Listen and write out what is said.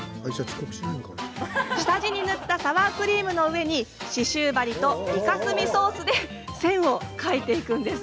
下地に塗ったサワークリームの上に刺しゅう針といか墨ソースで線を描いていきます。